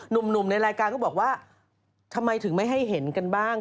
หนุ่มในรายการก็บอกว่าทำไมถึงไม่ให้เห็นกันบ้าง